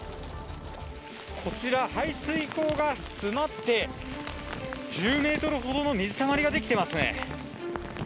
こちら、排水溝が詰まって、１０メートルほどの水たまりが出来てますね。